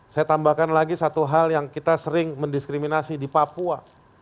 saya tambahkan lagi satu hal yang kita sering mendiskriminasi di papua